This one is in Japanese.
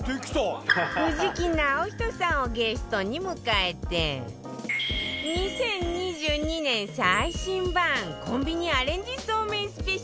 藤木直人さんをゲストに迎えて２０２２年最新版コンビニアレンジそうめんスペシャル